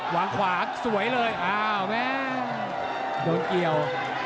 วางขวาสวยเลยอ้าวแม่โดนเกี่ยว